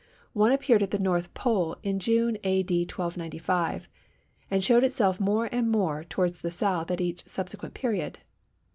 One appeared at the North Pole in June A.D. 1295, and showed itself more and more towards the S. at each subsequent period.